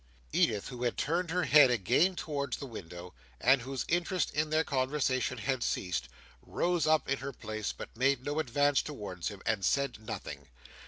Edith, who had turned her head again towards the window, and whose interest in their conversation had ceased, rose up in her place, but made no advance towards him, and said nothing.